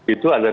itu ada tiga